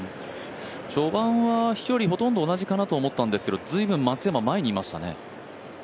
序盤は飛距離ほとんど同じかなと思ったんですけど随分、松山、前にいましたね。